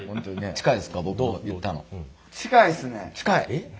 近い。